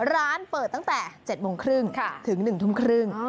ร้านเปิดตั้งแต่๗โมงครึ่งถึง๑ทุ่มครึ่ง